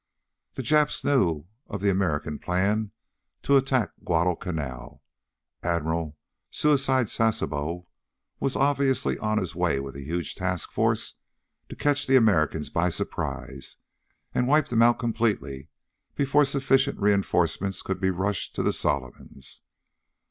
The Japs knew of the American plan to attack Guadalcanal! Admiral "Suicide" Sasebo was obviously on his way with a huge task force to catch the Americans by surprise and wipe them out completely before sufficient reenforcements could be rushed to the Solomons.